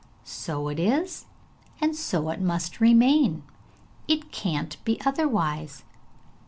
So it is, and so it must remain, it can't be otherwise.